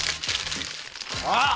あっ。